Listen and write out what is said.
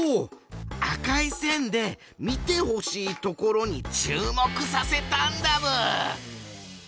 赤い線で見てほしいところに注目させたんだブー！